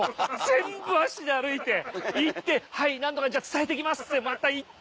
全部足で歩いて行って「はい何とか伝えてきます」っつってまた行って。